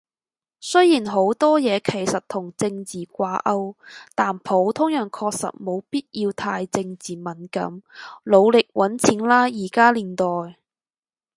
雖然好多嘢其實同政治掛鈎，但普通人確實沒必要太政治敏感。努力搵錢喇依家年代